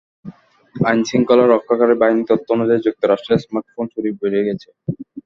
আইন শৃঙ্খলা রক্ষাকারি বাহিনির তথ্য অনুযায়ী, যুক্তরাষ্ট্রে স্মার্টফোন চুরি বেড়ে গেছে।